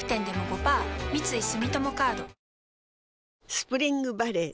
スプリングバレー